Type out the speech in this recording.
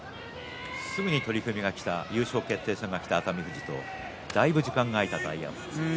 すぐに取組がきた優勝決定戦がきた熱海富士とだいぶ時間が開いた大奄美。